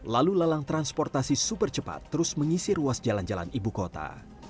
lalu lalang transportasi super cepat terus mengisi ruas jalan jalan ibu kota